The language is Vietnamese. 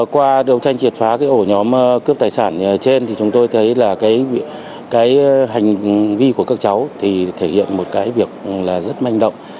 qua đấu tranh triệt phá cái ổ nhóm cướp tài sản trên thì chúng tôi thấy là cái hành vi của các cháu thì thể hiện một cái việc là rất manh động